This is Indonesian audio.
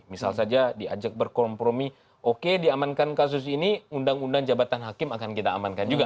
misal saja diajak berkompromi oke diamankan kasus ini undang undang jabatan hakim akan kita amankan juga